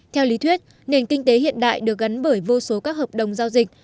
theo lý thuyết nền kinh tế hiện đại được gắn bởi vô số các hợp đồng giao dịch